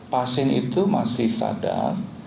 pasien itu masih sadar